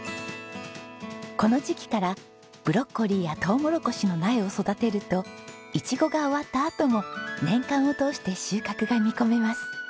この時期からブロッコリーやトウモロコシの苗を育てるとイチゴが終わったあとも年間を通して収穫が見込めます。